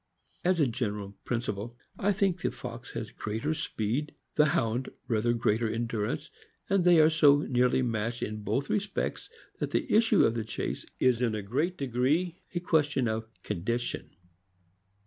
As a gen eral principle, I think the fox has rather greater speed, the Hound rather greater endurance; and they are so nearly matched in both respects that the issue of the chase is in a great degree a question of condition.